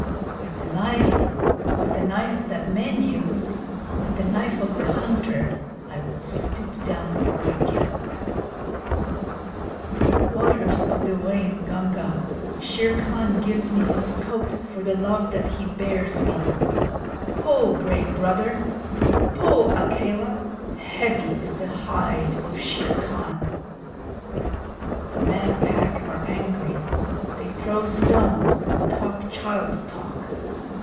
With the knife, with the knife that men use, with the knife of the hunter, I will stoop down for my gift. Waters of the Waingunga, Shere Khan gives me his coat for the love that he bears me. Pull, Gray Brother! Pull, Akela! Heavy is the hide of Shere Khan. The Man Pack are angry. They throw stones and talk child's talk.